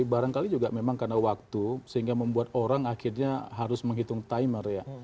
barangkali juga memang karena waktu sehingga membuat orang akhirnya harus menghitung timer ya